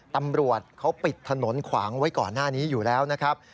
ตำรวจเขาปิดถนนขวางไว้ก่อนหน้านี้อยู่แล้วนะครับ